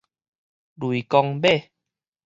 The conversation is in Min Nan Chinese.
雷公尾